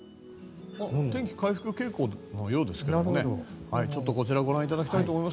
お天気回復傾向のようですけどねちょっとこちらご覧ください。